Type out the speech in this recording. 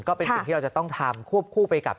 ก็เป็นสิ่งที่เราจะต้องทำควบคู่ไปกับ